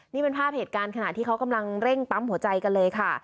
นี่เป็นภาพเหตุการณ์ขณะที่เขากำลังเร่งปั๊มหัวใจกันเลยค่ะ